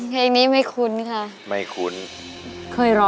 เพลงนี้ไม่คุ้นค่ะ